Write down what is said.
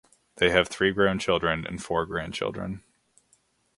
They have three grown children and four grandchildren.